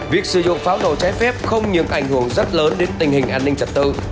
việc sử dụng pháo nổ trái phép không những ảnh hưởng rất lớn đến tình hình an ninh trật tự